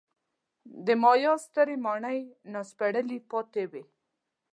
د مایا سترې ماڼۍ ناسپړلي پاتې وو.